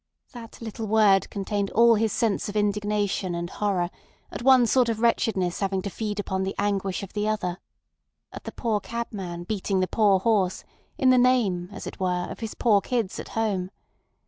That little word contained all his sense of indignation and horror at one sort of wretchedness having to feed upon the anguish of the other—at the poor cabman beating the poor horse in the name, as it were, of his poor kids at home.